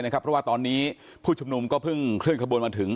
เพราะว่าตอนนี้ผู้ชุมนุมก็เพิ่งเคลื่อขบวนมาถึง